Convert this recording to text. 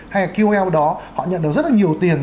hay là ql đó họ nhận được rất là nhiều tiền